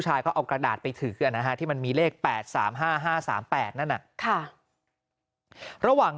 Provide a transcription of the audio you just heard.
เขาเอากระดาษไปถือที่มันมีเลข๘๓๕๕๓๘นั่นระหว่าง